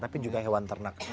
tapi juga hewan ternak